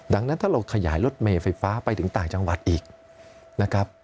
ดังนั้นถ้าเราขยายรถเมย์ไฟฟ้าไปถึงต่างจังหวัดอีกนะครับ